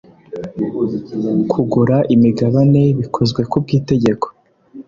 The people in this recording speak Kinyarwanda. Kugura imigabane bikozwe ku bw itegeko